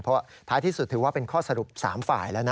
เพราะท้ายที่สุดถือว่าเป็นข้อสรุป๓ฝ่ายแล้วนะ